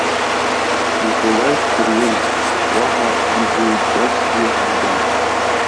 Николаи дԥырҩын, уаҳа ибаҩҷацгьы ҳамбеит.